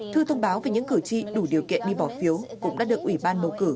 thư thông báo về những cử tri đủ điều kiện đi bỏ phiếu cũng đã được ủy ban bầu cử